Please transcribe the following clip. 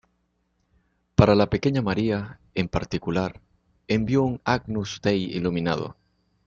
Para la pequeña María, en particular, envió un Agnus Dei iluminado.